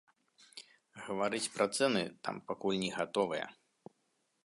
Гаварыць пра цэны там пакуль не гатовыя.